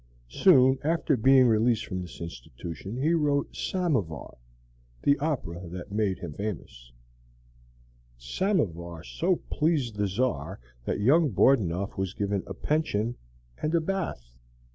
Soon after being released from this institution he wrote "Samovar," the opera that made him famous. "Samovar" so pleased the Czar that young Bordunov was given a pension and a bath.